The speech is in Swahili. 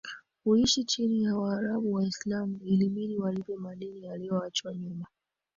kuishi chini ya Waarabu Waislamu Ilibidi walipe madeni yaliyoachwa nyuma